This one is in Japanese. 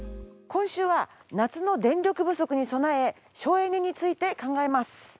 今週は夏の電力不足に備え省エネについて考えます。